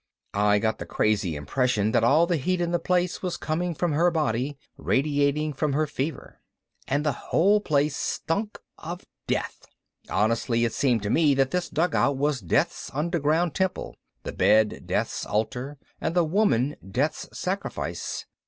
I got the crazy impression that all the heat in the place was coming from her body, radiating from her fever. And the whole place stunk of death. Honestly it seemed to me that this dugout was Death's underground temple, the bed Death's altar, and the woman Death's sacrifice.